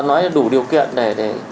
nói là đủ điều kiện để